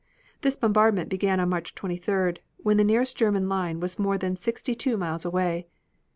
This bombardment began on March 23d, when the nearest German line was more than sixty two miles away.